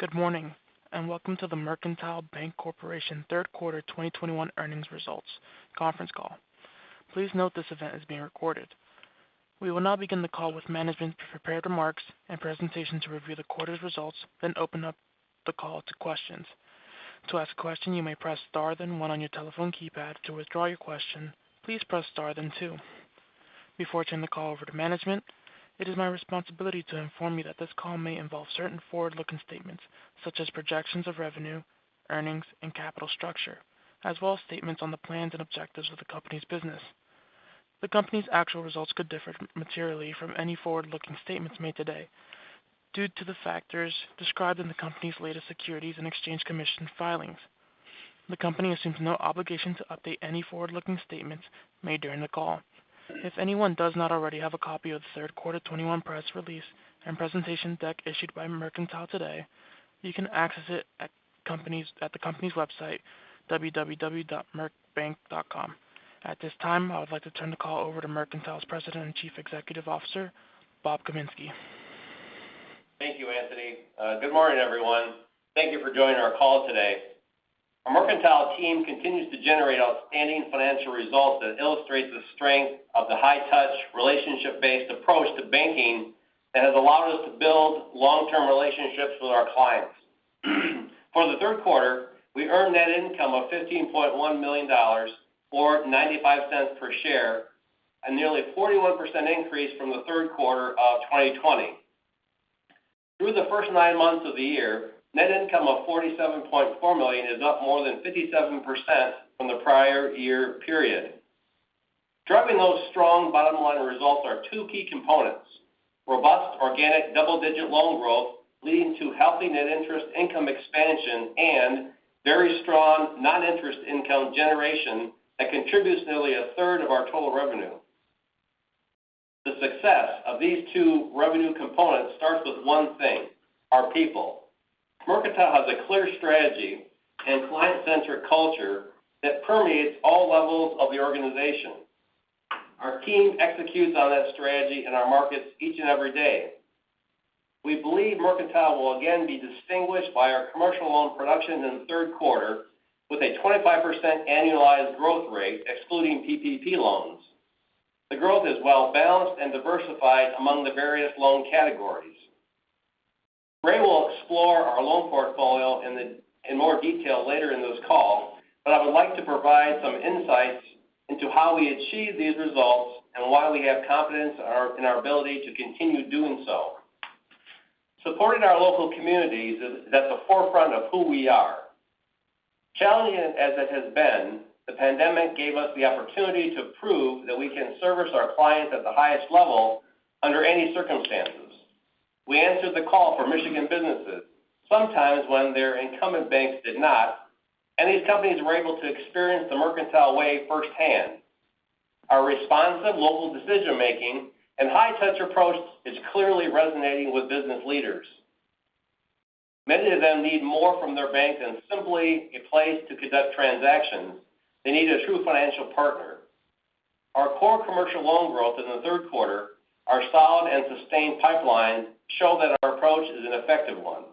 Good morning, and welcome to the Mercantile Bank Corporation third quarter 2021 earnings results conference call. Please note this event is being recorded. We will now begin the call with management's prepared remarks and presentation to review the quarter's results, then open up the call to questions. Before I turn the call over to management, it is my responsibility to inform you that this call may involve certain forward-looking statements such as projections of revenue, earnings, and capital structure, as well as statements on the plans and objectives of the company's business. The company's actual results could differ materially from any forward-looking statements made today due to the factors described in the company's latest Securities and Exchange Commission filings. The company assumes no obligation to update any forward-looking statements made during the call. If anyone does not already have a copy of the third quarter 2021 press release and presentation deck issued by Mercantile today, you can access it at the company's website, www.mercbank.com. At this time, I would like to turn the call over to Mercantile's President and Chief Executive Officer, Robert B. Kaminski Jr. Thank you, Anthony. Good morning, everyone. Thank you for joining our call today. Our Mercantile team continues to generate outstanding financial results that illustrate the strength of the high-touch, relationship-based approach to banking that has allowed us to build long-term relationships with our clients. For the third quarter, we earned net income of $15.1 million, or $0.95 per share, a nearly 41% increase from the third quarter of 2020. Through the first nine months of the year, net income of $47.4 million is up more than 57% from the prior year period. Driving those strong bottom-line results are two key components, robust organic double-digit loan growth leading to healthy net interest income expansion, and very strong non-interest income generation that contributes nearly a third of our total revenue. The success of these two revenue components starts with one thing, our people. Mercantile has a clear strategy and client-centric culture that permeates all levels of the organization. Our team executes on that strategy in our markets each and every day. We believe Mercantile will again be distinguished by our commercial loan production in the third quarter with a 25% annualized growth rate, excluding PPP loans. The growth is well-balanced and diversified among the various loan categories. Raymond will explore our loan portfolio in more detail later in this call, but I would like to provide some insights into how we achieved these results and why we have confidence in our ability to continue doing so. Supporting our local communities is at the forefront of who we are. Challenging as it has been, the pandemic gave us the opportunity to prove that we can service our clients at the highest level under any circumstances. We answered the call for Michigan businesses, sometimes when their incumbent banks did not, and these companies were able to experience the Mercantile way firsthand. Our responsive local decision-making and high-touch approach is clearly resonating with business leaders. Many of them need more from their bank than simply a place to conduct transactions. They need a true financial partner. Our core commercial loan growth in the third quarter, our solid and sustained pipeline show that our approach is an effective one.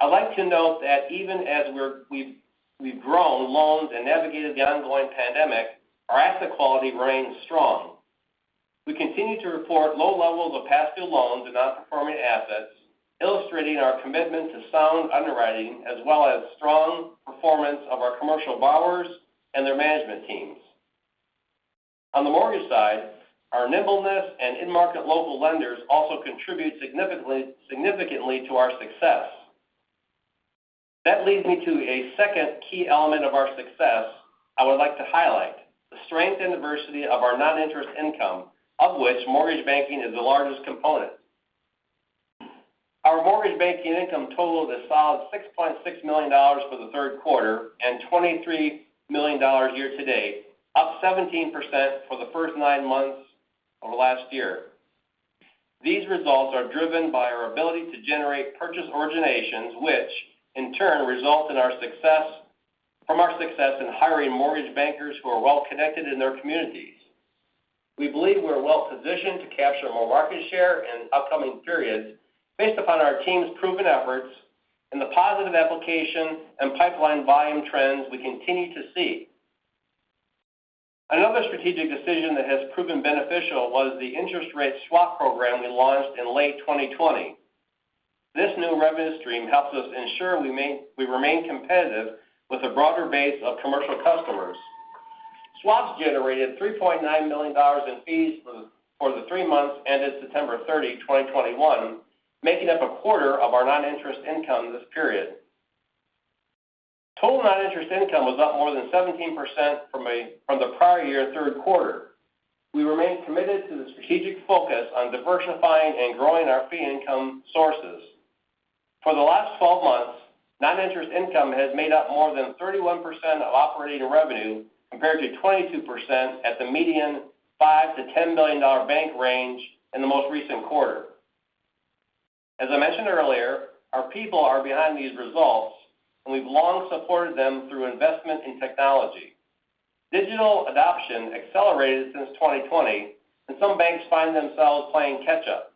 I'd like to note that even as we've grown loans and navigated the ongoing pandemic, our asset quality remains strong. We continue to report low levels of past due loans and non-performing assets, illustrating our commitment to sound underwriting as well as strong performance of our commercial borrowers and their management teams. On the mortgage side, our nimbleness and in-market local lenders also contribute significantly to our success. That leads me to a second key element of our success I would like to highlight, the strength and diversity of our non-interest income, of which mortgage banking is the largest component. Our mortgage banking income totaled a solid $6.6 million for the third quarter and $23 million year to date, up 17% for the first nine months over last year. These results are driven by our ability to generate purchase originations, which in turn result from our success in hiring mortgage bankers who are well-connected in their communities. We believe we are well-positioned to capture more market share in upcoming periods based upon our team's proven efforts and the positive application and pipeline volume trends we continue to see. Another strategic decision that has proven beneficial was the interest rate swap program we launched in late 2020. This new revenue stream helps us ensure we remain competitive with a broader base of commercial customers. Swaps generated $3.9 million in fees for the three months ended September 30, 2021, making up a quarter of our non-interest income this period. Total non-interest income was up more than 17% from the prior year third quarter. We remain committed to the strategic focus on diversifying and growing our fee income sources. For the last 12 months, non-interest income has made up more than 31% of operating revenue compared to 22% at the median $5 million-$10 million bank range in the most recent quarter. As I mentioned earlier, our people are behind these results, and we've long supported them through investment in technology. Digital adoption accelerated since 2020, and some banks find themselves playing catch up.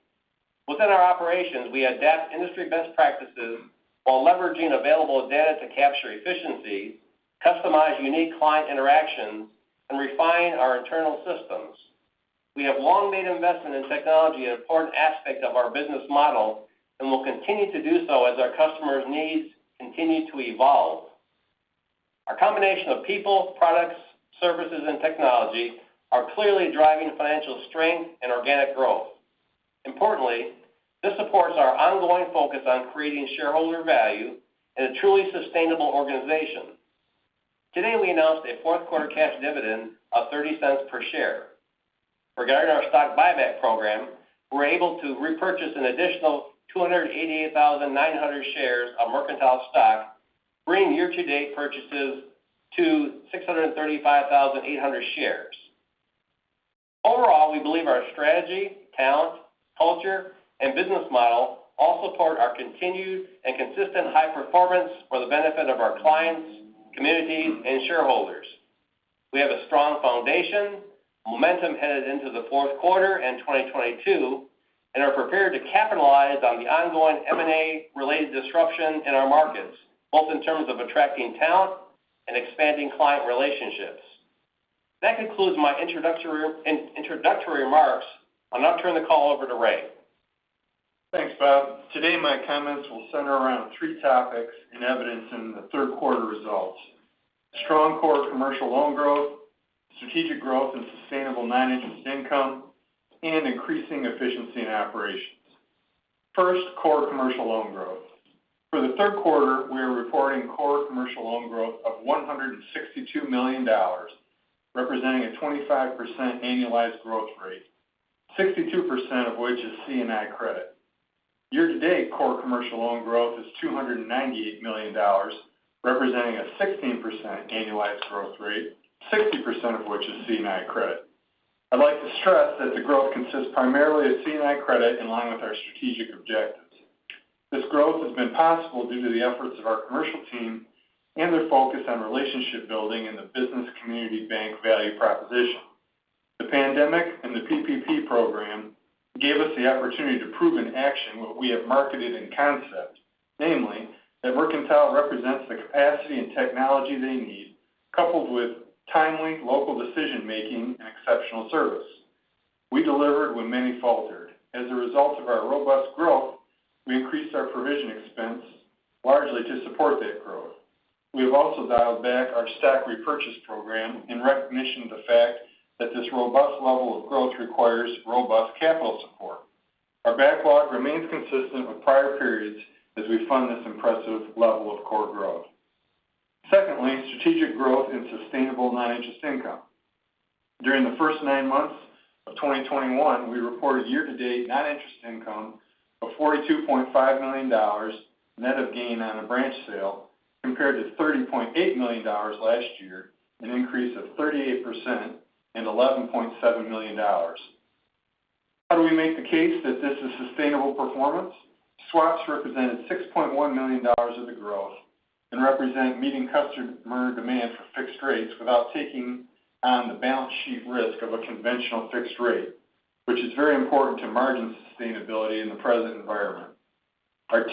Within our operations, we adapt industry best practices while leveraging available data to capture efficiency, customize unique client interactions, and refine our internal systems. We have long made investment in technology an important aspect of our business model, and will continue to do so as our customers' needs continue to evolve. Our combination of people, products, services, and technology are clearly driving financial strength and organic growth. Importantly, this supports our ongoing focus on creating shareholder value in a truly sustainable organization. Today, we announced a fourth quarter cash dividend of $0.30 per share. Regarding our stock buyback program, we were able to repurchase an additional 288,900 shares of Mercantile stock, bringing year-to-date purchases to 635,800 shares. Overall, we believe our strategy, talent, culture, and business model all support our continued and consistent high performance for the benefit of our clients, communities, and shareholders. We have a strong foundation, momentum headed into the fourth quarter and 2022, and are prepared to capitalize on the ongoing M&A-related disruption in our markets, both in terms of attracting talent and expanding client relationships. That concludes my introductory remarks. I'll now turn the call over to Raymond. Thanks, Robert. Today, my comments will center around three topics in evidence in the third quarter results. Strong core commercial loan growth, strategic growth and sustainable non-interest income, and increasing efficiency in operations. First, core commercial loan growth. For the third quarter, we are reporting core commercial loan growth of $162 million, representing a 25% annualized growth rate, 62% of which is C&I credit. Year-to-date, core commercial loan growth is $298 million, representing a 16% annualized growth rate, 60% of which is C&I credit. I'd like to stress that the growth consists primarily of C&I credit in line with our strategic objectives. This growth has been possible due to the efforts of our commercial team and their focus on relationship building in the business community bank value proposition. The pandemic and the PPP program gave us the opportunity to prove in action what we have marketed in concept, namely that Mercantile represents the capacity and technology they need, coupled with timely local decision-making and exceptional service. We delivered when many faltered. As a result of our robust growth, we increased our provision expense largely to support that growth. We have also dialed back our stock repurchase program in recognition of the fact that this robust level of growth requires robust capital support. Our backlog remains consistent with prior periods as we fund this impressive level of core growth. Secondly, strategic growth and sustainable non-interest income. During the first nine months of 2021, we reported year-to-date non-interest income of $42.5 million net of gain on a branch sale, compared to $30.8 million last year, an increase of 38% and $11.7 million. How do we make the case that this is sustainable performance? Swaps represented $6.1 million of the growth and represent meeting customer demand for fixed rates without taking on the balance sheet risk of a conventional fixed rate, which is very important to margin sustainability in the present environment. Our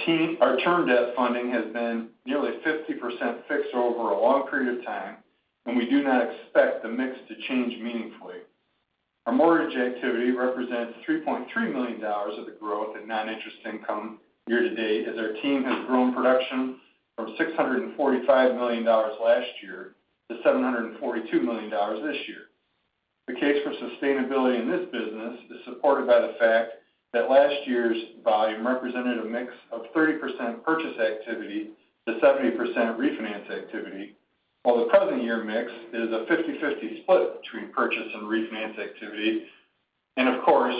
term debt funding has been nearly 50% fixed over a long period of time, and we do not expect the mix to change meaningfully. Our mortgage activity represents $3.3 million of the growth in non-interest income year-to-date, as our team has grown production from $645 million last year to $742 million this year. The case for sustainability in this business is supported by the fact that last year's volume represented a mix of 30% purchase activity to 70% refinance activity, while the present year mix is a 50/50 split between purchase and refinance activity. Of course,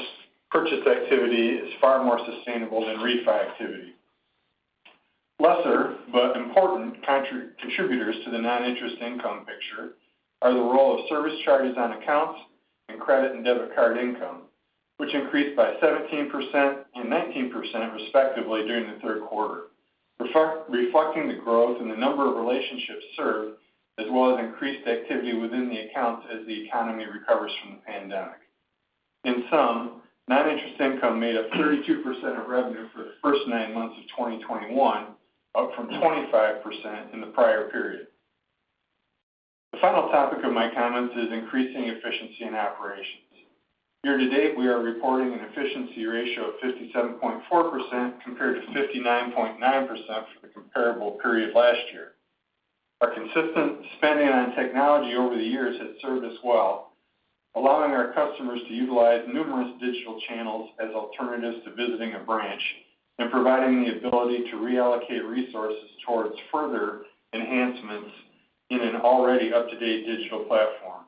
purchase activity is far more sustainable than refi activity. Lesser, but important contributors to the non-interest income picture are the role of service charges on accounts and credit and debit card income, which increased by 17% and 19%, respectively, during the third quarter, reflecting the growth in the number of relationships served, as well as increased activity within the accounts as the economy recovers from the pandemic. In sum, non-interest income made up 32% of revenue for the first nine months of 2021, up from 25% in the prior period. The final topic of my comments is increasing efficiency in operations. Year to date, we are reporting an efficiency ratio of 57.4% compared to 59.9% for the comparable period last year. Our consistent spending on technology over the years has served us well, allowing our customers to utilize numerous digital channels as alternatives to visiting a branch and providing the ability to reallocate resources towards further enhancements in an already up-to-date digital platform.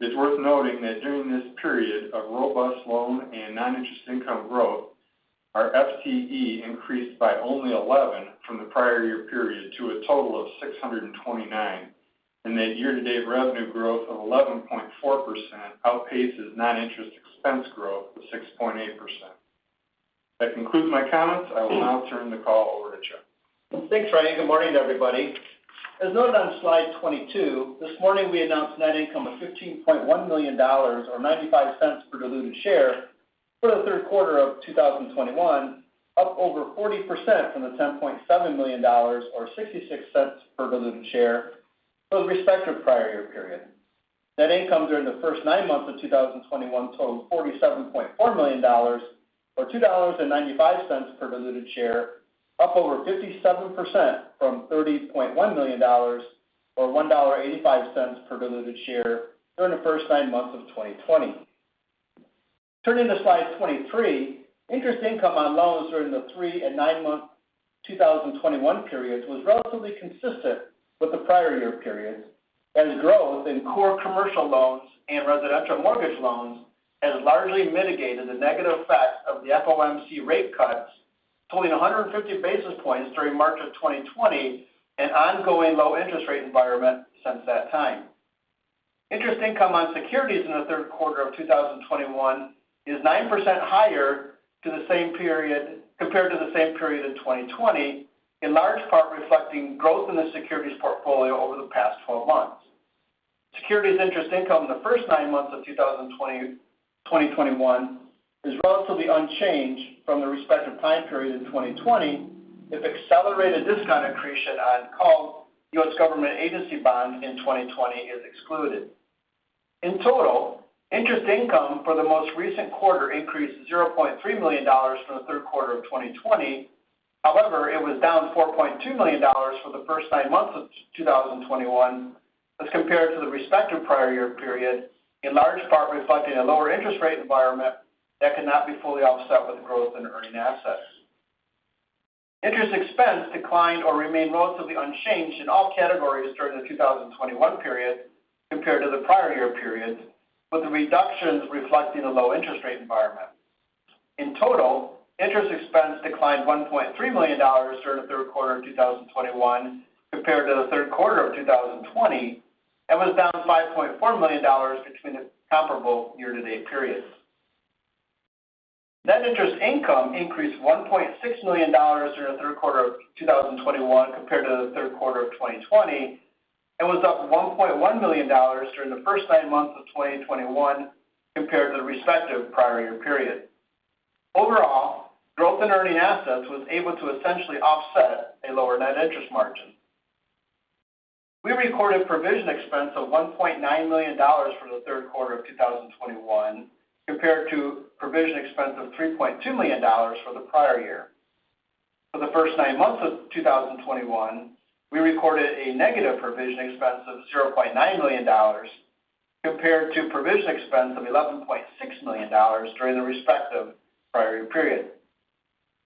It's worth noting that during this period of robust loan and non-interest income growth, our FTE increased by only 11% from the prior year period to a total of 629, and that year-to-date revenue growth of 11.4% outpaces non-interest expense growth of 6.8%. That concludes my comments. I will now turn the call over to Charles. Thanks, Raymond. Good morning to everybody. As noted on slide 22, this morning we announced net income of $15.1 million, or $0.95 per diluted share for the third quarter of 2021, up over 40% from the $10.7 million, or $0.66 per diluted share for the respective prior year period. Net income during the first nine months of 2021 totaled $47.4 million, or $2.95 per diluted share, up over 57% from $30.1 million, or $1.85 per diluted share during the first nine months of 2020. Turning to slide 23, interest income on loans during the three and nine-month 2021 periods was relatively consistent with the prior year periods, as growth in core commercial loans and residential mortgage loans has largely mitigated the negative effects of the FOMC rate cuts, totaling 150 basis points during March of 2020 and ongoing low interest rate environment since that time. Interest income on securities in the third quarter of 2021 is 9% higher compared to the same period in 2020, in large part reflecting growth in the securities portfolio over the past 12 months. Securities interest income in the first nine months of 2021 is relatively unchanged from the respective time period in 2020, if accelerated discount accretion on called U.S. government agency bonds in 2020 is excluded. In total, interest income for the most recent quarter increased to $0.3 million from the third quarter of 2020. It was down $4.2 million for the first nine months of 2021 as compared to the respective prior year period, in large part reflecting a lower interest rate environment that could not be fully offset with growth in earning assets. Interest expense declined or remained relatively unchanged in all categories during the 2021 period compared to the prior year periods, with the reductions reflecting a low interest rate environment. In total, interest expense declined $1.3 million during the third quarter of 2021 compared to the third quarter of 2020, and was down $5.4 million between the comparable year-to-date periods. Net interest income increased $1.6 million during the third quarter of 2021 compared to the third quarter of 2020, and was up $1.1 million during the first nine months of 2021 compared to the respective prior year period. Overall, growth in earning assets was able to essentially offset a lower net interest margin. We recorded provision expense of $1.9 million for the third quarter of 2021, compared to provision expense of $3.2 million for the prior year. For the first nine months of 2021, we recorded a negative provision expense of $0.9 million compared to provision expense of $11.6 million during the respective prior period.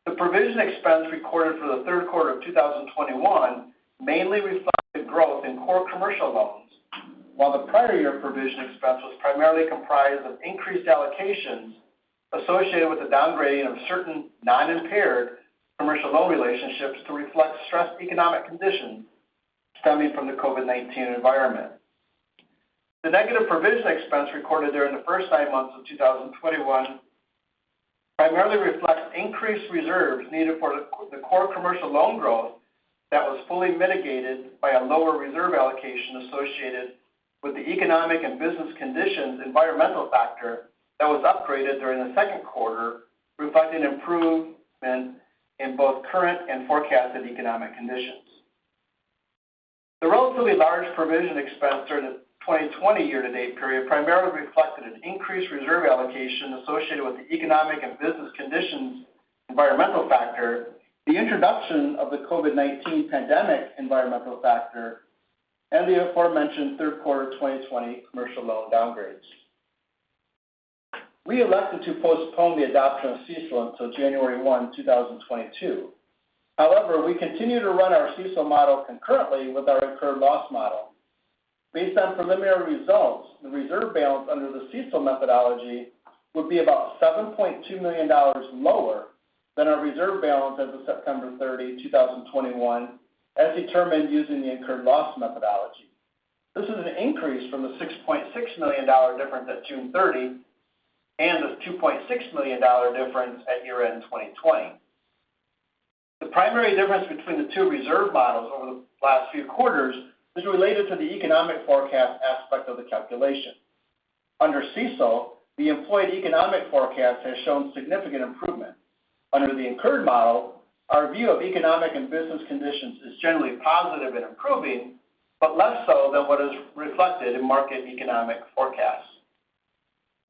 The provision expense recorded for the third quarter of 2021 mainly reflected growth in core commercial loans, while the prior year provision expense was primarily comprised of increased allocations associated with the downgrading of certain non-impaired commercial loan relationships to reflect stressed economic conditions stemming from the COVID-19 environment. The negative provision expense recorded during the first nine months of 2021 primarily reflects increased reserves needed for the core commercial loan growth that was fully mitigated by a lower reserve allocation associated with the economic and business conditions environmental factor that was upgraded during the second quarter, reflecting improvement in both current and forecasted economic conditions. The relatively large provision expense during the 2020 year-to-date period primarily reflected an increased reserve allocation associated with the economic and business conditions environmental factor, the introduction of the COVID-19 pandemic environmental factor, and the aforementioned third quarter 2020 commercial loan downgrades. We elected to postpone the adoption of CECL until January 1, 2022. We continue to run our CECL model concurrently with our incurred loss model. Based on preliminary results, the reserve balance under the CECL methodology would be about $7.2 million lower than our reserve balance as of September 30, 2021, as determined using the incurred loss methodology. This is an increase from the $6.6 million difference at June 30 and the $2.6 million difference at year-end 2020. The primary difference between the two reserve models over the last few quarters is related to the economic forecast aspect of the calculation. Under CECL, the employed economic forecast has shown significant improvement. Under the incurred model, our view of economic and business conditions is generally positive and improving, but less so than what is reflected in market economic forecasts.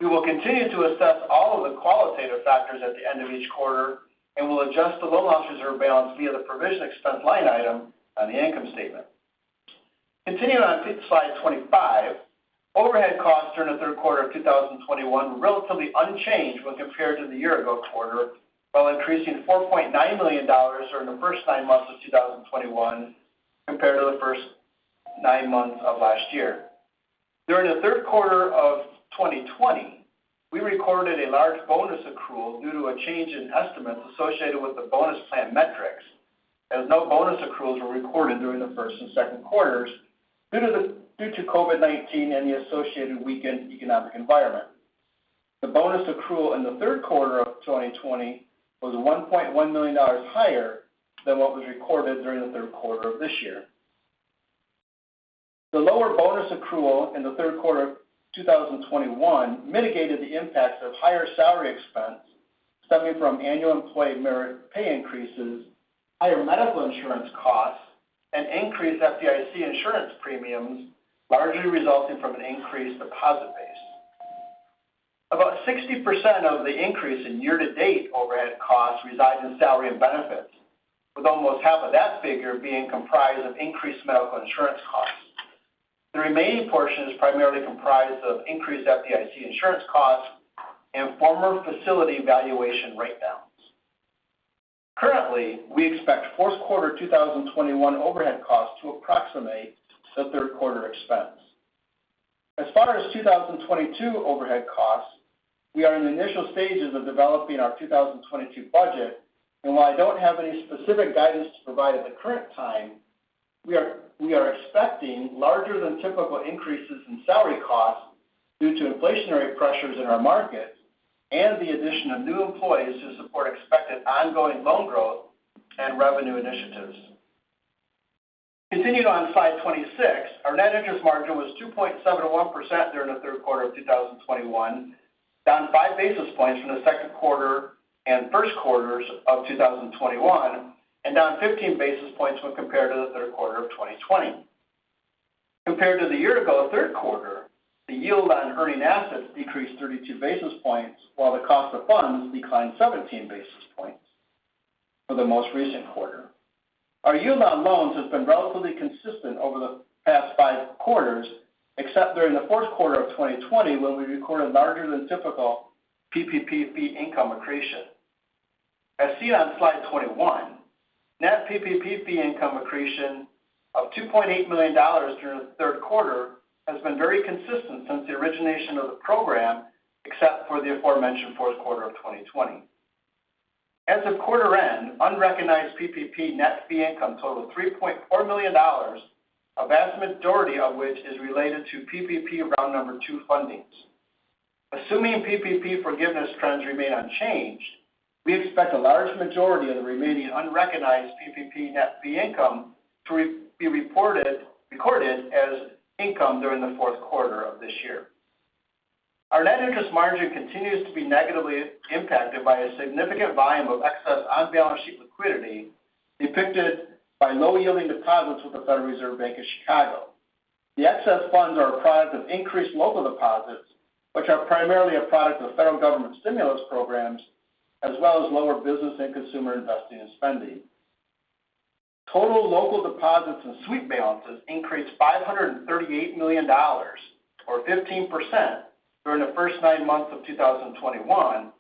We will continue to assess all of the qualitative factors at the end of each quarter and will adjust the loan loss reserve balance via the provision expense line item on the income statement. Continuing on to slide 25, overhead costs during the third quarter of 2021 were relatively unchanged when compared to the year-ago quarter, while increasing $4.9 million during the first nine months of 2021 compared to the first nine months of last year. During the third quarter of 2020, we recorded a large bonus accrual due to a change in estimates associated with the bonus plan metrics. As no bonus accruals were recorded during the first and second quarters due to COVID-19 and the associated weakened economic environment. The bonus accrual in the third quarter of 2020 was $1.1 million higher than what was recorded during the third quarter of this year. The lower bonus accrual in the third quarter of 2021 mitigated the impacts of higher salary expense stemming from annual employee merit pay increases, higher medical insurance costs, and increased FDIC insurance premiums, largely resulting from an increased deposit base. About 60% of the increase in year-to-date overhead costs reside in salary and benefits, with almost half of that figure being comprised of increased medical insurance costs. The remaining portion is primarily comprised of increased FDIC insurance costs and former facility valuation write-downs. Currently, we expect fourth quarter 2021 overhead costs to approximate the third quarter expense. As far as 2022 overhead costs, we are in the initial stages of developing our 2022 budget, and while I don't have any specific guidance to provide at the current time, we are expecting larger than typical increases in salary costs due to inflationary pressures in our market and the addition of new employees to support expected ongoing loan growth and revenue initiatives. Continuing on slide 26, our net interest margin was 2.71% during the third quarter of 2021, down 5 basis points from the second quarter and first quarters of 2021, and down 15 basis points when compared to the third quarter of 2020. Compared to the year ago third quarter, the yield on earning assets decreased 32 basis points while the cost of funds declined 17 basis points for the most recent quarter. Our yield on loans has been relatively consistent over the past five quarters, except during the fourth quarter of 2020 when we recorded larger than typical PPP fee income accretion. As seen on slide 21, net PPP fee income accretion of $2.8 million during the third quarter has been very consistent since the origination of the program, except for the aforementioned fourth quarter of 2020. As of quarter end, unrecognized PPP net fee income totaled $3.4 million, a vast majority of which is related to PPP Round Number 2 fundings. Assuming PPP forgiveness trends remain unchanged, we expect a large majority of the remaining unrecognized PPP net fee income to be recorded as income during the fourth quarter of this year. Our net interest margin continues to be negatively impacted by a significant volume of excess on-balance sheet liquidity depicted by low-yielding deposits with the Federal Reserve Bank of Chicago. The excess funds are a product of increased local deposits, which are primarily a product of federal government stimulus programs, as well as lower business and consumer investing and spending. Total local deposits and sweep balances increased $538 million, or 15%, during the first nine months of 2021,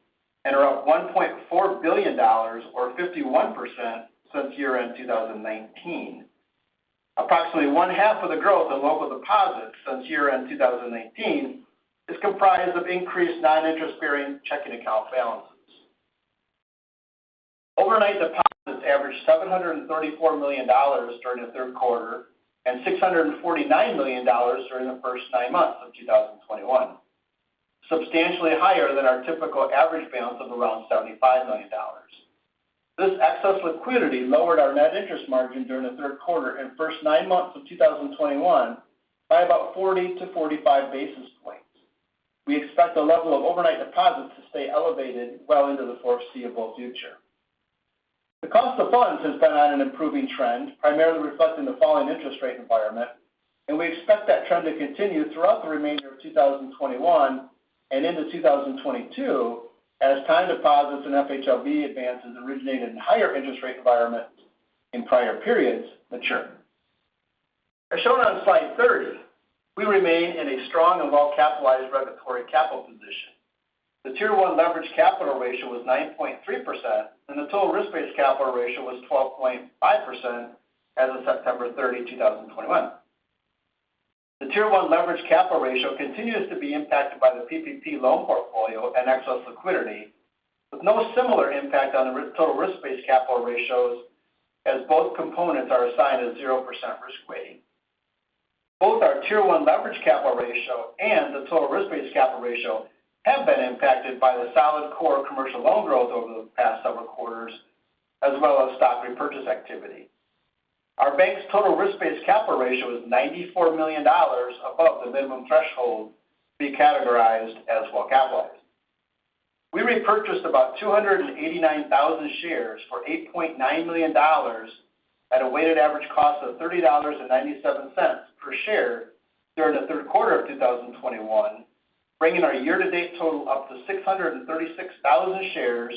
and are up $1.4 billion, or 51%, since year-end 2019. Approximately one-half of the growth in local deposits since year-end 2019 is comprised of increased non-interest-bearing checking account balances. Overnight deposits averaged $734 million during the third quarter and $649 million during the first nine months of 2021, substantially higher than our typical average balance of around $75 million. This excess liquidity lowered our net interest margin during the third quarter and first nine months of 2021 by about 40-45 basis points. We expect the level of overnight deposits to stay elevated well into the foreseeable future. The cost of funds has been on an improving trend, primarily reflecting the falling interest rate environment. We expect that trend to continue throughout the remainder of 2021 and into 2022 as time deposits in FHLB advances originated in higher interest rate environments in prior periods mature. As shown on slide 30, we remain in a strong and well-capitalized regulatory capital position. The Tier 1 leverage capital ratio was 9.3%, and the total risk-based capital ratio was 12.5% as of September 30, 2021. The Tier 1 leverage capital ratio continues to be impacted by the PPP loan portfolio and excess liquidity, with no similar impact on the total risk-based capital ratios, as both components are assigned a 0% risk weighting. Both our Tier 1 leverage capital ratio and the total risk-based capital ratio have been impacted by the solid core commercial loan growth over the past several quarters, as well as stock repurchase activity. Our bank's total risk-based capital ratio is $94 million above the minimum threshold to be categorized as well-capitalized. We repurchased about 289,000 shares for $8.9 million at a weighted average cost of $30.97 per share during the third quarter of 2021, bringing our year-to-date total up to 636,000 shares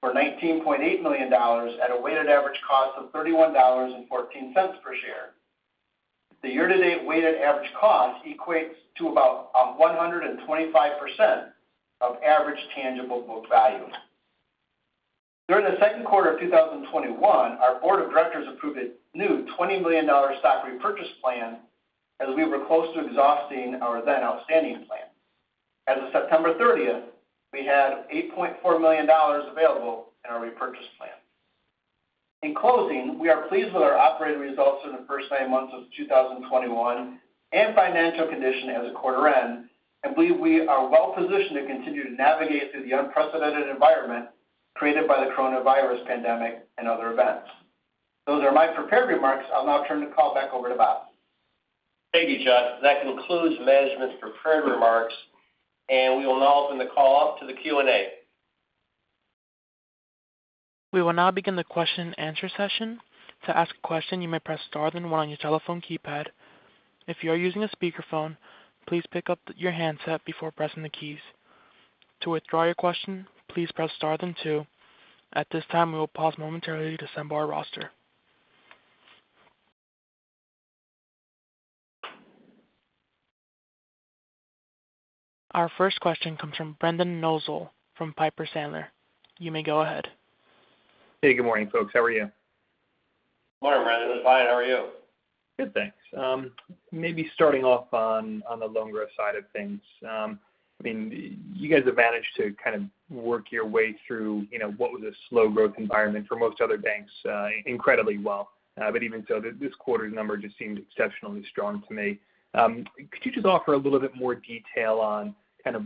for $19.8 million at a weighted average cost of $31.14 per share. The year-to-date weighted average cost equates to about 125% of average tangible book value. During the second quarter of 2021, our board of directors approved a new $20 million stock repurchase plan as we were close to exhausting our then-outstanding plan. As of September 30th, we had $8.4 million available in our repurchase plan. In closing, we are pleased with our operating results in the first nine months of 2021 and financial condition as of quarter end, and believe we are well-positioned to continue to navigate through the unprecedented environment created by the coronavirus pandemic and other events. Those are my prepared remarks. I'll now turn the call back over to Robert. Thank you, Charles. That concludes management's prepared remarks. We will now open the call up to the Q&A. We will now begin the question and answer session. To ask a question, you may press star, then one on your telephone keypad. If you are using a speakerphone, please pick up your handset before pressing the keys. To withdraw your question, please press star, then two. At this time, we will pause momentarily to assemble our roster. Our first question comes from Brendan Nosal from Piper Sandler. You may go ahead. Hey, good morning, folks. How are you? Morning, Brendan. Fine, how are you? Good, thanks. Starting off on the loan growth side of things. You guys have managed to kind of work your way through what was a slow growth environment for most other banks incredibly well. Even so, this quarter's number just seemed exceptionally strong to me. Could you just offer a little bit more detail on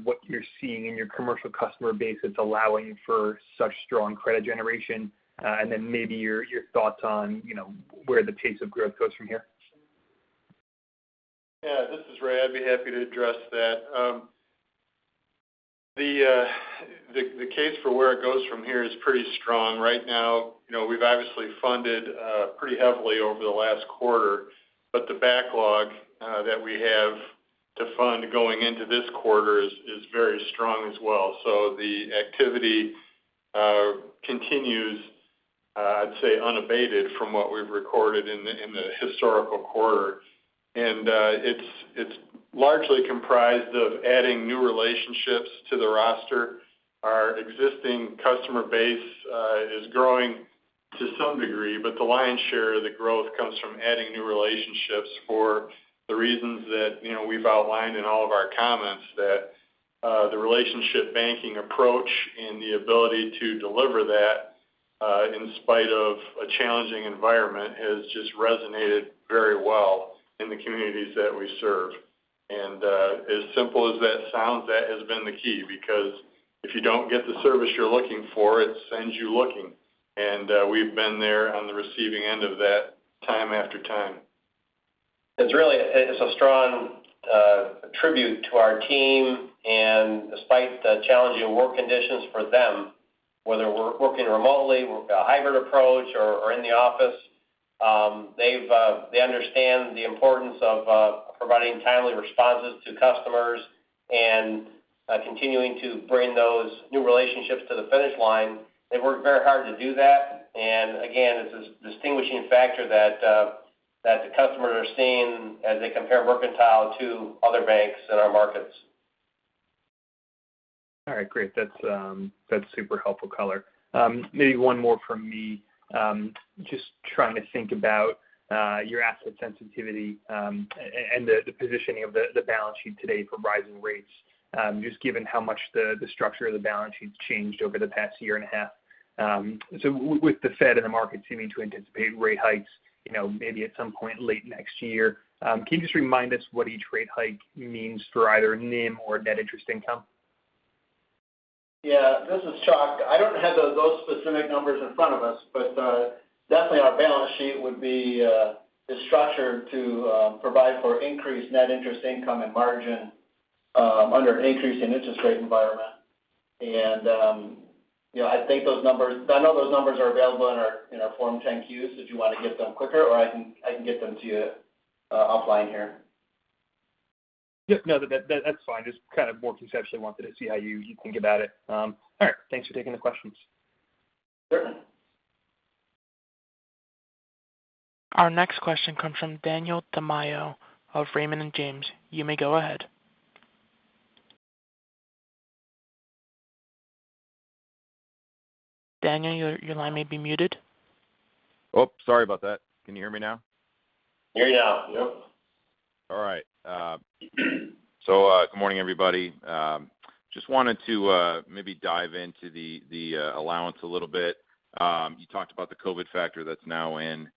what you're seeing in your commercial customer base that's allowing for such strong credit generation? Maybe your thoughts on where the pace of growth goes from here. Yeah. This is Raymond. I'd be happy to address that. The case for where it goes from here is pretty strong right now. We've obviously funded pretty heavily over the last quarter, but the backlog that we have to fund going into this quarter is very strong as well. The activity continues, I'd say, unabated from what we've recorded in the historical quarter. It's largely comprised of adding new relationships to the roster. Our existing customer base is growing to some degree, but the lion's share of the growth comes from adding new relationships for the reasons that we've outlined in all of our comments. That the relationship banking approach and the ability to deliver that in spite of a challenging environment has just resonated very well in the communities that we serve. As simple as that sounds, that has been the key because if you don't get the service you're looking for, it sends you looking. We've been there on the receiving end of that time after time. It's a strong tribute to our team and despite the challenging work conditions for them, whether we're working remotely, a hybrid approach or in the office, they understand the importance of providing timely responses to customers and continuing to bring those new relationships to the finish line. They've worked very hard to do that, and again, it's a distinguishing factor that the customers are seeing as they compare Mercantile to other banks in our markets. All right, great. That's super helpful color. Maybe one more from me. Trying to think about your asset sensitivity and the positioning of the balance sheet today for rising rates. Given how much the structure of the balance sheet's changed over the past year and a half. With the Fed and the market seeming to anticipate rate hikes maybe at some point late next year, can you just remind us what each rate hike means for either NIM or net interest income? Yeah. This is Charles. I don't have those specific numbers in front of us, but definitely our balance sheet would be structured to provide for increased net interest income and margin under an increasing interest rate environment. I know those numbers are available in our Form 10-Q if you want to get them quicker, or I can get them to you offline here. No, that's fine. Just kind of more conceptually wanted to see how you think about it. All right. Thanks for taking the questions. Sure. Our next question comes from Daniel Tamayo of Raymond James. You may go ahead. Daniel, your line may be muted. Oh, sorry about that. Can you hear me now? Hear you now. Yep. Good morning, everybody. Just wanted to maybe dive into the allowance a little bit. You talked about the COVID factor that's now in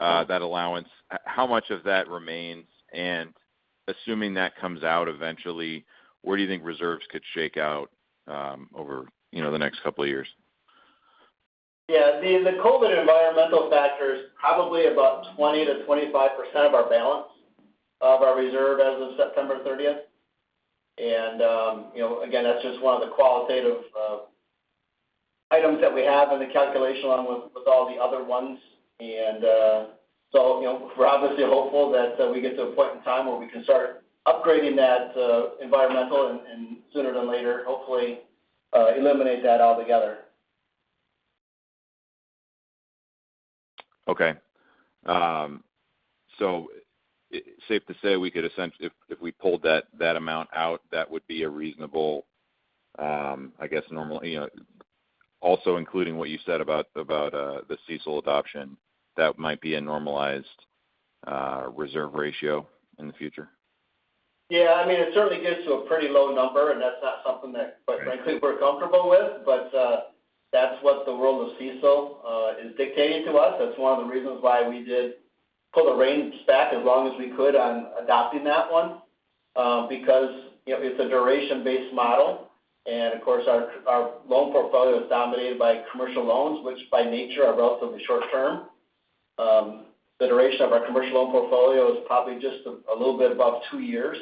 that allowance. How much of that remains? Assuming that comes out eventually, where do you think reserves could shake out over the next couple of years? The COVID environmental factor is probably about 20%-25% of our balance of our reserve as of September 30th. That's just one of the qualitative items that we have in the calculation along with all the other ones. We're obviously hopeful that we get to a point in time where we can start upgrading that environmental and sooner than later, hopefully eliminate that altogether. Safe to say if we pulled that amount out, that would be a reasonable, I guess, also including what you said about the CECL adoption, that might be a normalized reserve ratio in the future. Yeah. It certainly gets to a pretty low number. That's not something that, quite frankly, we're comfortable with, but that's what the world of CECL is dictating to us. That's one of the reasons why we did pull the reins back as long as we could on adopting that one. It's a duration-based model. Of course, our loan portfolio is dominated by commercial loans, which by nature are relatively short-term. The duration of our commercial loan portfolio is probably just a little bit above two years.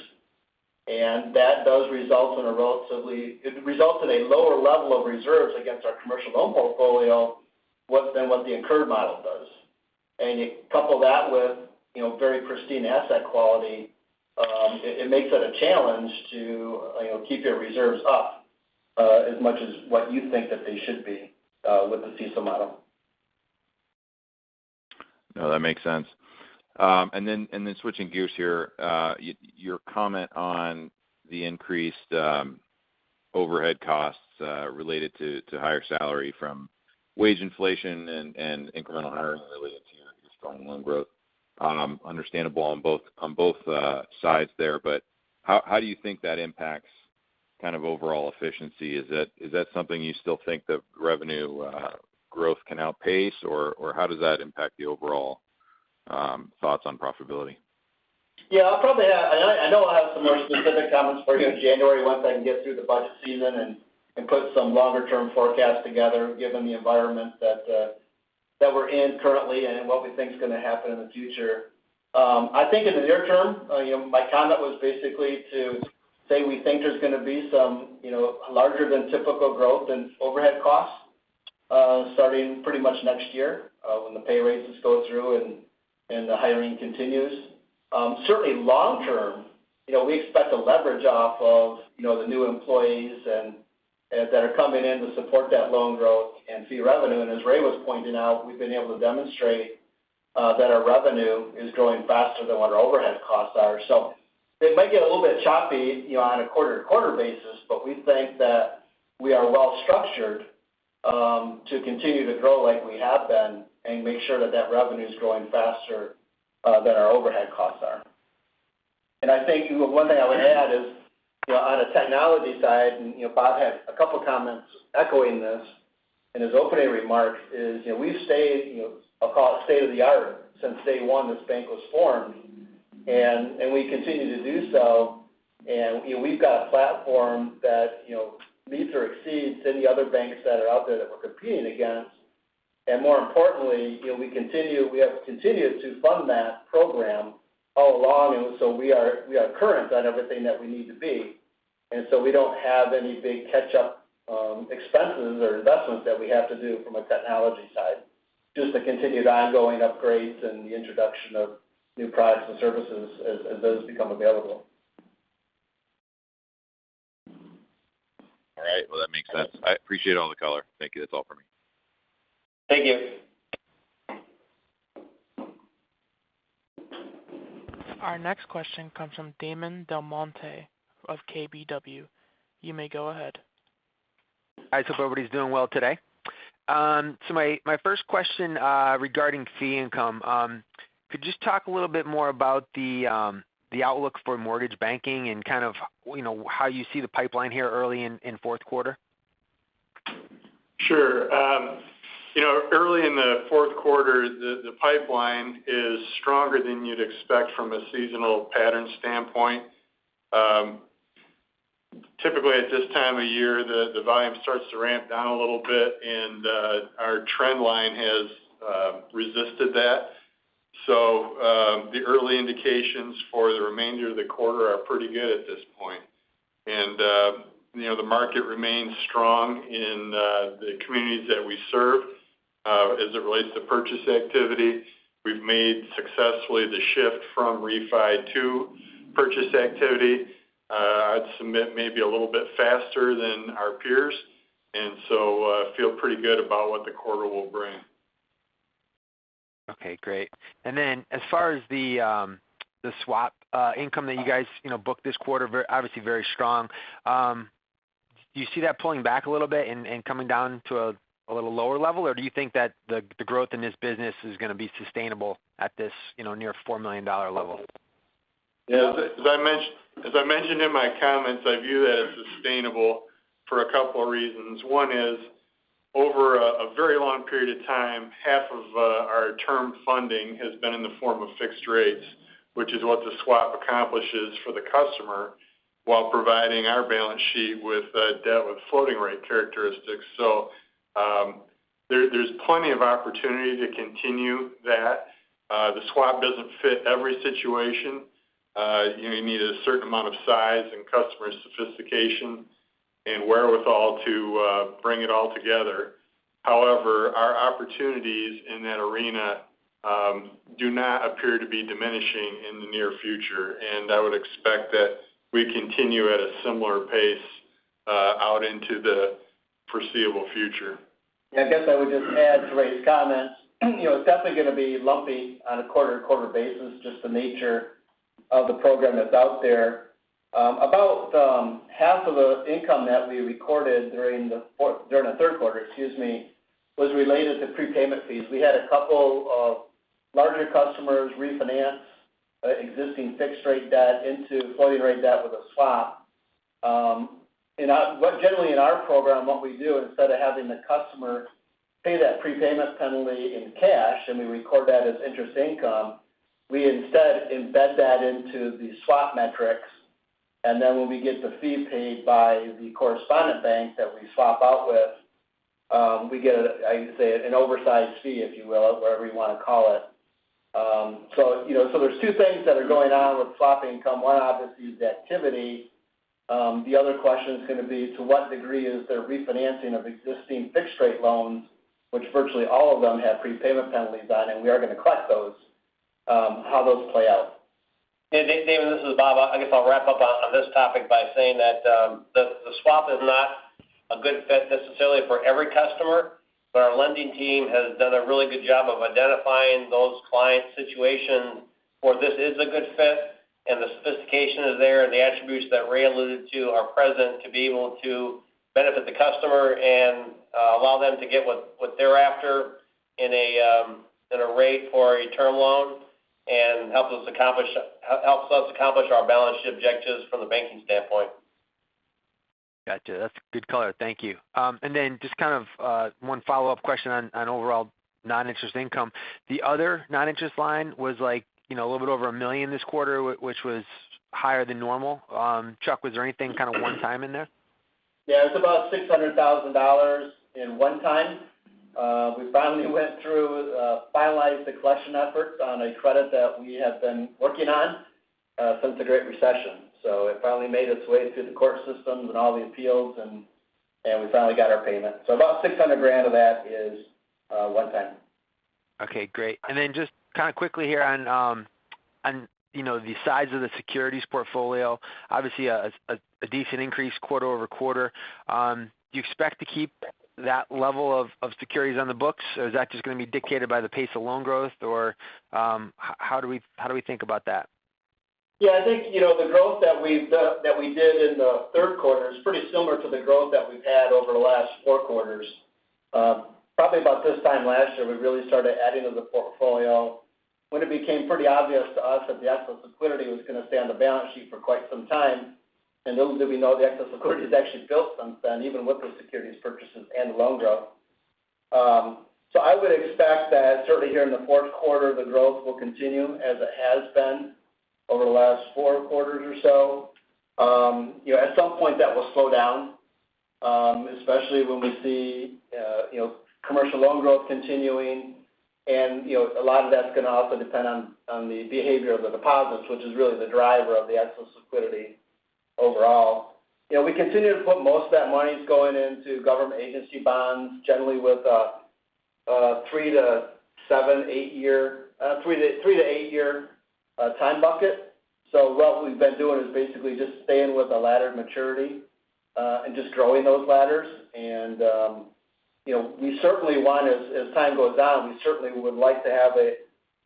That does result in a lower level of reserves against our commercial loan portfolio than what the incurred model does. You couple that with very pristine asset quality, it makes it a challenge to keep your reserves up as much as what you think that they should be with the CECL model. No, that makes sense. Switching gears here, your comment on the increased overhead costs related to higher salary from wage inflation and incremental hiring related to your strong loan growth. Understandable on both sides there, how do you think that impacts overall efficiency? Is that something you still think that revenue growth can outpace, how does that impact the overall thoughts on profitability? I'll probably have I know I'll have some more specific comments for you in January once I can get through the budget season and put some longer-term forecasts together, given the environment that we're in currently and what we think is going to happen in the future. I think in the near term, my comment was basically to say we think there's going to be some larger than typical growth in overhead costs starting pretty much next year when the pay raises go through and the hiring continues. Certainly long-term, we expect to leverage off of the new employees that are coming in to support that loan growth and fee revenue. As Raymond was pointing out, we've been able to demonstrate that our revenue is growing faster than what our overhead costs are. It might get a little bit choppy on a quarter-to-quarter basis, but we think that we are well-structured to continue to grow like we have been and make sure that that revenue's growing faster than our overhead costs are. I think one thing I would add is on the technology side, and Robert had a couple of comments echoing this in his opening remarks, is we've stayed, I'll call it state-of-the-art, since day one this bank was formed, and we continue to do so. We've got a platform that meets or exceeds any other banks that are out there that we're competing against. More importantly, we have continued to fund that program all along, and so we are current on everything that we need to be. We don't have any big catch-up expenses or investments that we have to do from a technology side. Just the continued ongoing upgrades and the introduction of new products and services as those become available. All right. Well, that makes sense. I appreciate all the color. Thank you. That's all for me. Thank you. Our next question comes from Damon DelMonte of KBW. You may go ahead. I hope everybody's doing well today. My first question regarding fee income, could you just talk a little bit more about the outlook for mortgage banking and how you see the pipeline here early in fourth quarter? Sure. Early in the fourth quarter, the pipeline is stronger than you'd expect from a seasonal pattern standpoint. Typically, at this time of year, the volume starts to ramp down a little bit, and our trend line has resisted that. The early indications for the remainder of the quarter are pretty good at this point. The market remains strong in the communities that we serve. As it relates to purchase activity, we've made successfully the shift from refi to purchase activity. I'd submit maybe a little bit faster than our peers, and so feel pretty good about what the quarter will bring. Okay, great. As far as the swap income that you guys booked this quarter, obviously very strong. Do you see that pulling back a little bit and coming down to a little lower level, or do you think that the growth in this business is going to be sustainable at this near $4 million level? Yeah. As I mentioned in my comments, I view that as sustainable for a couple of reasons. One is over a very long period of time, half of our term funding has been in the form of fixed rates, which is what the swap accomplishes for the customer while providing our balance sheet with debt with floating rate characteristics. There's plenty of opportunity to continue that. The swap doesn't fit every situation. You need a certain amount of size and customer sophistication and wherewithal to bring it all together. However, our opportunities in that arena do not appear to be diminishing in the near future, and I would expect that we continue at a similar pace out into the foreseeable future. Yeah, I guess I would just add to Raymond's comments. It's definitely going to be lumpy on a quarter-to-quarter basis, just the nature of the program that's out there. About half of the income that we recorded during the third quarter, excuse me, was related to prepayment fees. We had a couple of larger customers refinance existing fixed rate debt into floating rate debt with a swap. Generally, in our program, what we do instead of having the customer pay that prepayment penalty in cash and we record that as interest income, we instead embed that into the swap metrics, and then when we get the fee paid by the correspondent bank that we swap out with, we get a, I say, an oversized fee, if you will, or whatever you want to call it. There's two things that are going on with swap income. One, obviously, is activity. The other question is going to be to what degree is there refinancing of existing fixed rate loans, which virtually all of them have prepayment penalties on, and we are going to collect those, how those play out. Hey, Damon, this is Robert. I guess I'll wrap up on this topic by saying that the swap is not a good fit necessarily for every customer. Our lending team has done a really good job of identifying those client situations where this is a good fit, and the sophistication is there, and the attributes that Raymond alluded to are present to be able to benefit the customer and allow them to get what they're after in a rate for a term loan, and helps us accomplish our balance sheet objectives from the banking standpoint. Gotcha. That's good color. Thank you. Just one follow-up question on overall non-interest income. The other non-interest line was a little bit over $1 million this quarter, which was higher than normal. Charles, was there anything kind of one time in there? Yeah, it was about $600,000 in one time. We finally went through, finalized the collection efforts on a credit that we have been working on since the Great Recession. It finally made its way through the court systems and all the appeals, and we finally got our payment. About $600,000 of that is one time. Okay, great. Just kind of quickly here on the size of the securities portfolio. Obviously, a decent increase quarter-over-quarter. Do you expect to keep that level of securities on the books, or is that just going to be dictated by the pace of loan growth, or how do we think about that? Yeah, I think, the growth that we've done, that we did in the third quarter is pretty similar to the growth that we've had over the last four quarters. Probably about this time last year, we really started adding to the portfolio when it became pretty obvious to us that the excess liquidity was going to stay on the balance sheet for quite some time. Little did we know the excess liquidity has actually built since then, even with the securities purchases and loan growth. I would expect that certainly here in the fourth quarter, the growth will continue as it has been over the last four quarters or so. At some point that will slow down, especially when we see commercial loan growth continuing and a lot of that's going to also depend on the behavior of the deposits, which is really the driver of the excess liquidity overall. We continue to put most of that money's going into government agency bonds, generally with a three to eight year time bucket. What we've been doing is basically just staying with the laddered maturity, and just growing those ladders. We certainly want as time goes on, we certainly would like to have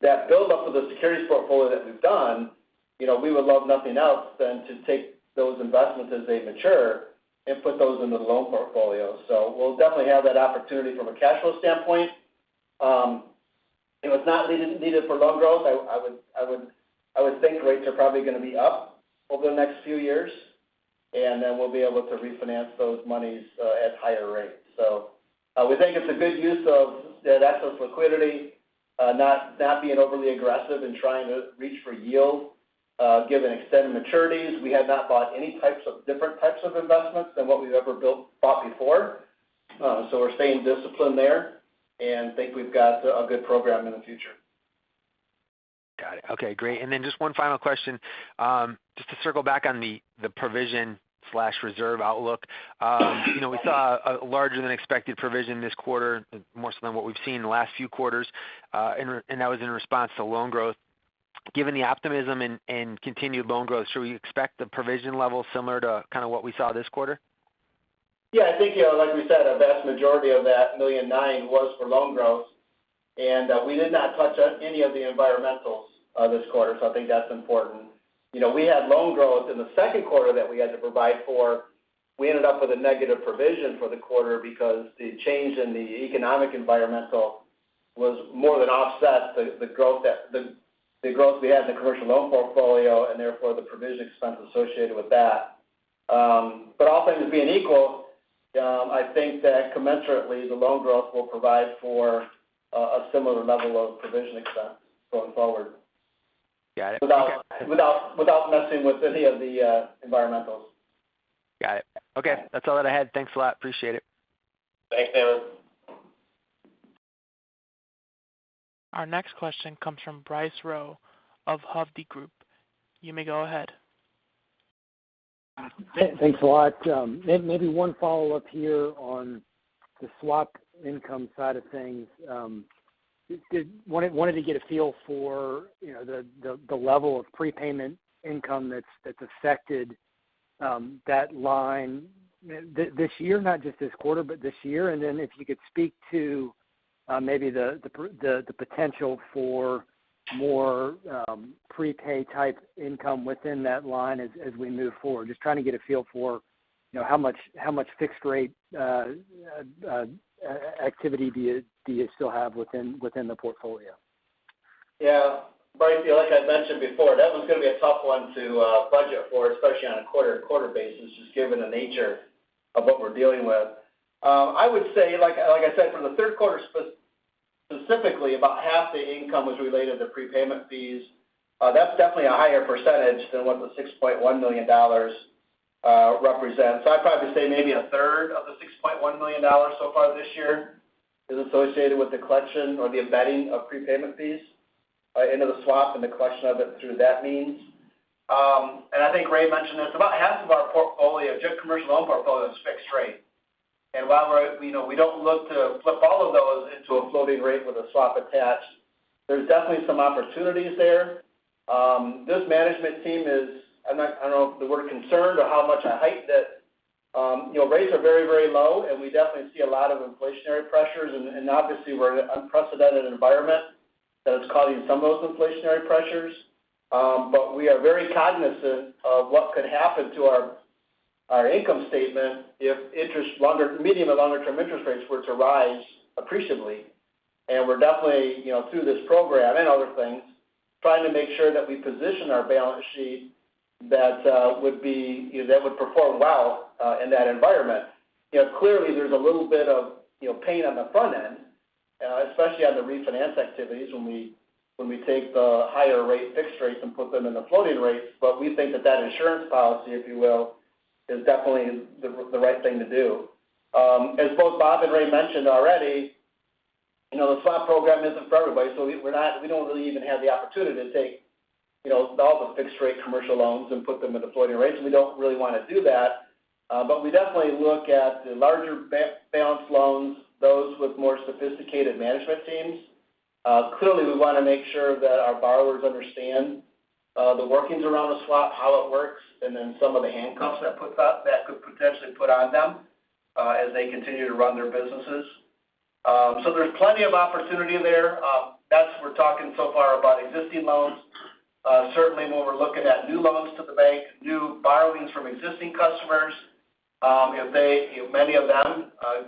that build up of the securities portfolio that we've done, we would love nothing else than to take those investments as they mature and put those into the loan portfolio. We'll definitely have that opportunity from a cash flow standpoint. If it's not needed for loan growth, I would think rates are probably going to be up over the next few years, and then we'll be able to refinance those monies at higher rates. We think it's a good use of the excess liquidity, not being overly aggressive in trying to reach for yield. Given extended maturities, we have not bought any types of different types of investments than what we've ever built, bought before. We're staying disciplined there and think we've got a good program in the future. Got it. Okay, great. Just one final question, just to circle back on the provision/reserve outlook. We saw a larger than expected provision this quarter, more so than what we've seen in the last few quarters. That was in response to loan growth. Given the optimism and continued loan growth, should we expect the provision level similar to kind of what we saw this quarter? I think, like we said, a vast majority of that $9 million was for loan growth, and we did not touch any of the environmentals this quarter. I think that's important. We had loan growth in the second quarter that we had to provide for. We ended up with a negative provision for the quarter because the change in the economic environmental was more than offset the growth we had in the commercial loan portfolio, and therefore the provision expense associated with that. All things being equal, I think that commensurately, the loan growth will provide for a similar level of provision expense going forward. Got it. Okay. Without messing with any of the environmentals. Got it. Okay. That's all that I had. Thanks a lot. Appreciate it. Thanks, Damon DelMonte. Our next question comes from Bryce Rowe of Hovde Group. You may go ahead. Thanks a lot. Maybe one follow-up here on the swap income side of things. Wanted to get a feel for the level of prepayment income that's affected that line this year, not just this quarter, but this year. If you could speak to maybe the potential for more prepay type income within that line as we move forward. Just trying to get a feel for how much fixed rate activity do you still have within the portfolio? I feel like I mentioned before, that one's going to be a tough one to budget for, especially on a quarter to quarter basis, just given the nature of what we're dealing with. I would say, like I said, from the third quarter specifically, about half the income was related to prepayment fees. That's definitely a higher percentage than what the $6.1 million represents. I'd probably say maybe a third of the $6.1 million so far this year is associated with the collection or the embedding of prepayment fees into the swap and the collection of it through that means. I think Raymond mentioned this, about half of our portfolio, just commercial loan portfolio, is fixed rate. While we don't look to flip all of those into a floating rate with a swap attached, there's definitely some opportunities there. This management team is, I don't know if the word concerned or how much on height that rates are very, very low, we definitely see a lot of inflationary pressures, and obviously we're in an unprecedented environment that is causing some of those inflationary pressures. We are very cognizant of what could happen to our income statement if medium and longer-term interest rates were to rise appreciably. We're definitely, through this program and other things, trying to make sure that we position our balance sheet that would perform well in that environment. Clearly there's a little bit of pain on the front end, especially on the refinance activities when we take the higher-rate fixed rates and put them in the floating-rates. We think that that insurance policy, if you will, is definitely the right thing to do. As both Robert and Raymond mentioned already, the swap program isn't for everybody, we don't really even have the opportunity to take all the fixed rate commercial loans and put them into floating rates, and we don't really want to do that. We definitely look at the larger balance loans, those with more sophisticated management teams. Clearly we want to make sure that our borrowers understand the workings around the swap, how it works, and then some of the handcuffs that could potentially put on them as they continue to run their businesses. There's plenty of opportunity there. That's we're talking so far about existing loans. Certainly when we're looking at new loans to the bank, new borrowings from existing customers, if many of them are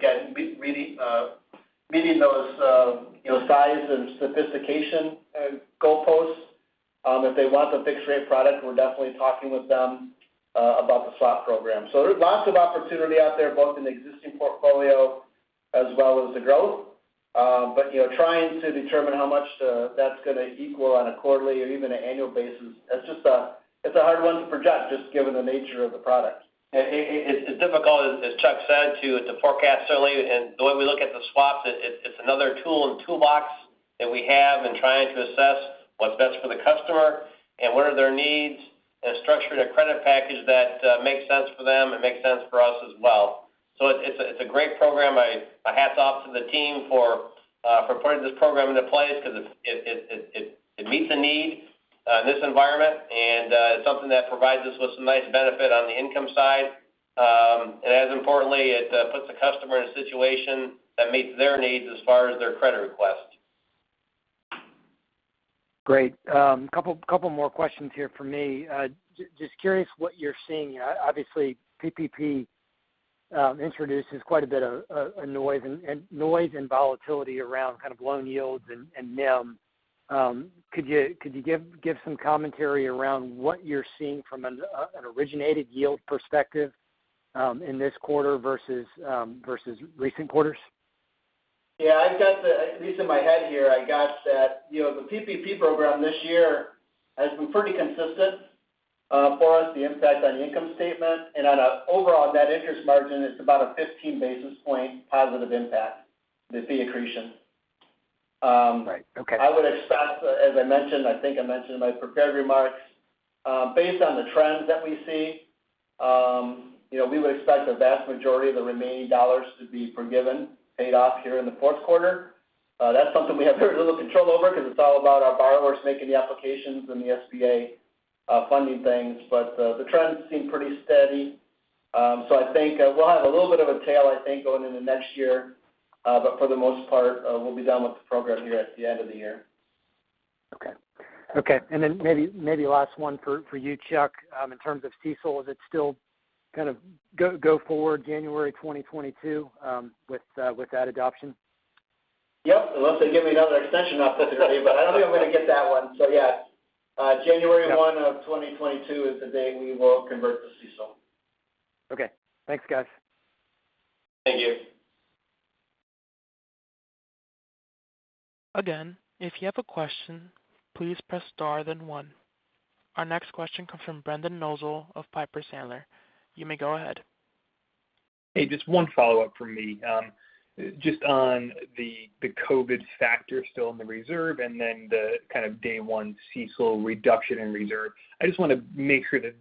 meeting those size and sophistication goalposts. If they want the fixed rate product, we're definitely talking with them about the swap program. There's lots of opportunity out there, both in the existing portfolio as well as the growth. Trying to determine how much that's going to equal on a quarterly or even an annual basis, it's a hard one to project just given the nature of the product. It's difficult, as Charles said too, to forecast certainly. The way we look at the swaps, it's another tool in the toolbox that we have in trying to assess what's best for the customer and what are their needs and structuring a credit package that makes sense for them and makes sense for us as well. It's a great program. Hats off to the team for putting this program into place because it meets a need in this environment and it's something that provides us with some nice benefit on the income side. As importantly, it puts the customer in a situation that meets their needs as far as their credit request. Great. Couple more questions here from me. Just curious what you're seeing. Obviously, PPP introduces quite a bit of noise and volatility around kind of loan yields and NIM. Could you give some commentary around what you're seeing from an originated yield perspective in this quarter versus recent quarters? Yeah, at least in my head here, I got that the PPP program this year has been pretty consistent for us, the impact on the income statement. On an overall net interest margin, it's about a 15 basis point positive impact, the fee accretion. Right. Okay. I would expect, as I mentioned, I think I mentioned in my prepared remarks, based on the trends that we see, we would expect the vast majority of the remaining dollars to be forgiven, paid off here in the fourth quarter. That's something we have very little control over because it's all about our borrowers making the applications and the SBA funding things. The trends seem pretty steady. I think we'll have a little bit of a tailwind, I think, going into next year. For the most part, we'll be done with the program here at the end of the year. Okay. Maybe last one for you, Charles. In terms of CECL, is it still kind of go forward January 2022 with that adoption? Yep. Unless they give me another extension, I'll take that to you, but I don't think I'm going to get that one. Yeah, January 1 of 2022 is the day we will convert to CECL. Okay. Thanks, guys. Thank you. Again, if you have a question, please press star then one. Our next question comes from Brendan Nosal of Piper Sandler. You may go ahead. Hey, just one follow-up from me. Just on the COVID factor still in the reserve and then the kind of day one CECL reduction in reserve. I just want to make sure that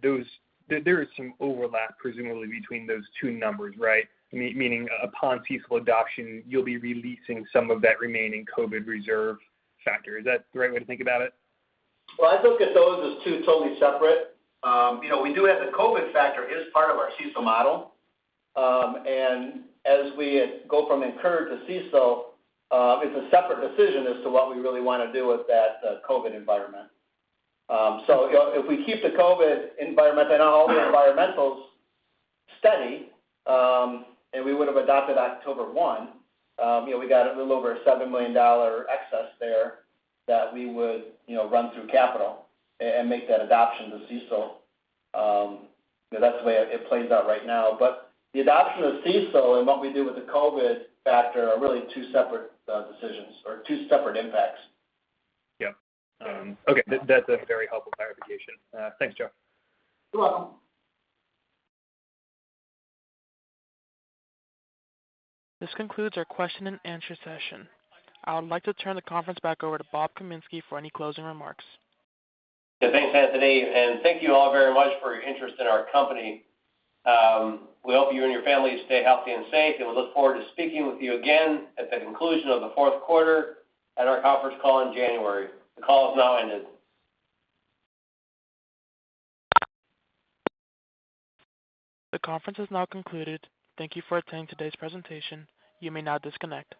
there is some overlap presumably between those two numbers, right? Meaning upon CECL adoption, you'll be releasing some of that remaining COVID reserve factor. Is that the right way to think about it? Well, I look at those as two totally separate. We do have the COVID factor is part of our CECL model. As we go from incurred to CECL, it's a separate decision as to what we really want to do with that COVID environment. If we keep the COVID environment and all the environmentals steady, and we would have adopted October 1. We got a little over a $7 million excess there that we would run through capital and make that adoption to CECL. That's the way it plays out right now. The adoption of CECL and what we do with the COVID factor are really two separate decisions or two separate impacts. Okay. That's a very helpful clarification. Thanks, Charles. You're welcome. This concludes our question and answer session. I would like to turn the conference back over to Robert B. Kaminski Jr. for any closing remarks. Yeah, thanks, Anthony, and thank you all very much for your interest in our company. We hope you and your families stay healthy and safe, and we look forward to speaking with you again at the conclusion of the fourth quarter at our conference call in January. The call has now ended. The conference has now concluded. Thank you for attending today's presentation. You may now disconnect.